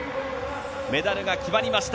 メダルが決まりました。